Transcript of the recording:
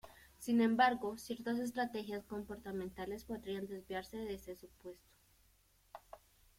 Sin embargo, ciertas estrategias comportamentales podrían desviarse de este supuesto.